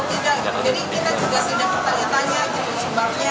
ini sangat berharap sekali